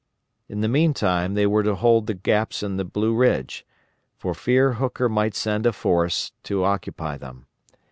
In the meantime they were to hold the gaps in the Blue Ridge, for fear Hooker might send a force to occupy them.